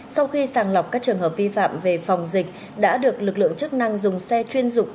sau khi sàng lọc các trường hợp vi phạm về phòng dịch đã được lực lượng chức năng dùng xe chuyên dụng